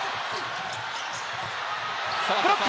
ブロック！